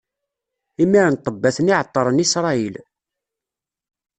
Imiren ṭṭebbat-nni ɛeṭṭren Isṛayil.